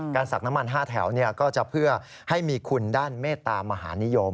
การศักดิ์น้ำมัน๕แถวเนี่ยก็จะเพื่อให้มีคุณด้านเมตตามหานิยม